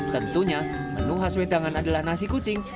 tentunya menu khas wedangan adalah nasi kucing